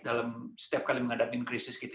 dalam setiap kali menghadapi krisis gitu